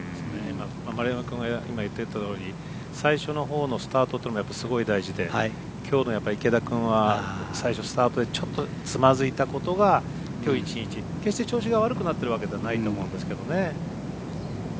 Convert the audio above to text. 丸山君が今言ってたように最初のほうのスタートというのはやっぱ、すごい大事できょうの池田君は最初、スタートで、ちょっとつまずいたことがきょう一日、決して調子が悪くなってるわけじゃないと思うんですけどね。